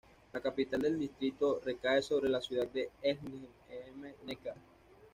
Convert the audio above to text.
La capital del distrito recae sobre la ciudad de Esslingen am Neckar.